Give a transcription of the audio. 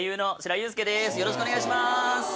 よろしくお願いします。